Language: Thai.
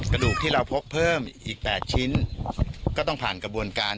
กระดูกที่เราพบเพิ่มอีก๘ชิ้นก็ต้องผ่านกระบวนการ